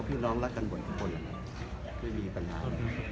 พี่น้องรักกันหมดทุกคนไม่มีปัญหา